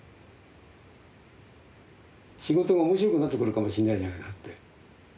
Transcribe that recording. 仕事が面白くなってくるかもしんないじゃない。